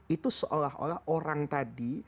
itu seolah olah orang tadi